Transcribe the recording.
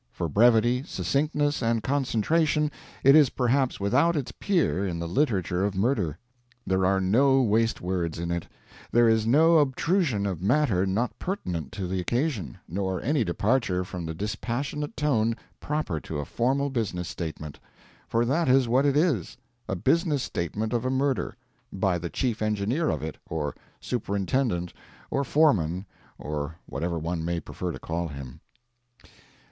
For brevity, succinctness, and concentration, it is perhaps without its peer in the literature of murder. There are no waste words in it; there is no obtrusion of matter not pertinent to the occasion, nor any departure from the dispassionate tone proper to a formal business statement for that is what it is: a business statement of a murder, by the chief engineer of it, or superintendent, or foreman, or whatever one may prefer to call him.